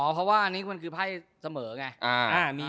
เพราะว่าอันนี้มันคือไพ่เสมอไง